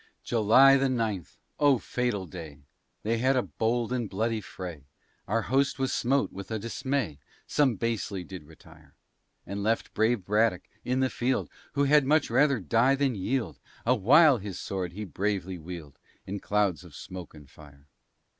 July the ninth, oh! Fatal Day, They had a bold and bloody fray, Our host was smote with a dismay; Some basely did retire, And left brave Braddock in the field, Who had much rather die than yield, A while his sword he bravely wield In clouds of smoke and fire.